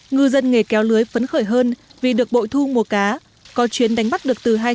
ngư dân nghề kéo lưới phấn khởi hơn vì được bội thu mùa cá có chuyến đánh bắt được từ hai trăm linh